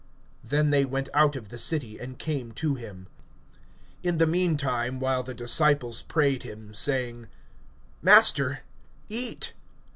(30)Then they went out of the city, and came to him. (31)In the mean while the disciples prayed him, saying: Master, eat.